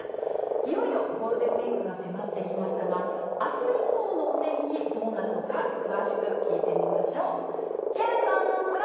いよいよゴールデンウィークが迫ってきましたが、あす以降のお天気、どうなるのか、詳しく聞いてみましょう。